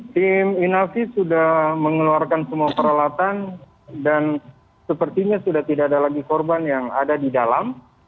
tim inavis sudah mengeluarkan semua peralatan dan sepertinya sudah tidak ada lagi korban yang ada di dalam